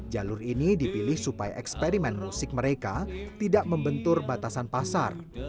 jalur ini dipilih supaya eksperimen musik mereka tidak membentur batasan pasar